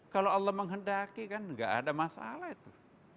kalau allah menghendaki kan gak ada masalah itu